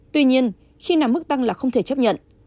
tuy nhiên khi nào mức tăng là không thể chấp nhận